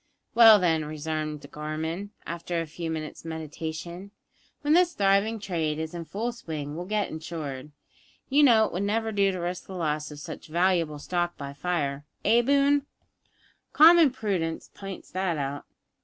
"Well, then," resumed Gorman, after a few minutes' meditation, "when this thriving trade is in full swing we'll get it insured. You know it would never do to risk the loss of such valuable stock by fire eh, Boone? common prudence pints that out!